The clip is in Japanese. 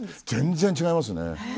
全然違いますね。